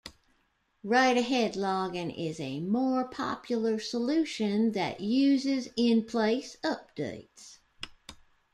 Write-ahead logging is a more popular solution that uses in-place updates.